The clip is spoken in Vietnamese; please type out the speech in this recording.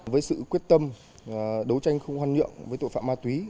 với sự quyết tâm đấu tranh không hoan nhượng với tội phạm ma túy